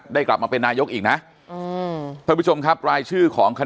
ได้กลับมาเป็นนายกอีกนะทุกผู้ชมครับรายชื่อของ